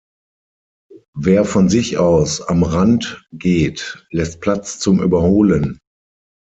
Wer von sich aus am Rand geht, lässt Platz zum Überholen.